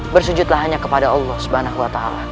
bersujudlah hanya kepada allah s w t